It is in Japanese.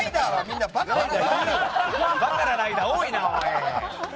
バカなライダー多いな！